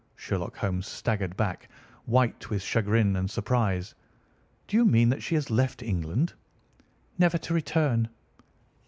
Sherlock Holmes staggered back, white with chagrin and surprise. "Do you mean that she has left England?" "Never to return."